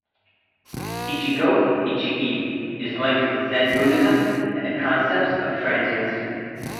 "Ichi-go ichi-e" is linked with Zen Buddhism and concepts of transience.